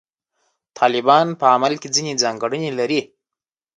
طالبان په عمل کې ځینې ځانګړنې لري.